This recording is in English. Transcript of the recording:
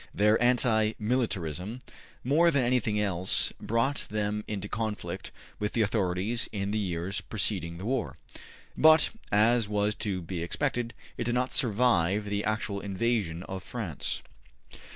Their anti militarism, more than anything else, brought them into conflict with the authorities in the years preceding the war. But, as was to be expected, it did not survive the actual invasion of France.